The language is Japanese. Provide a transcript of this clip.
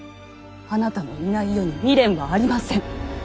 あなたのいない世に未練はありません。